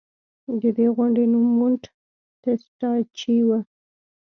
د دې غونډۍ نوم مونټ ټسټاچي و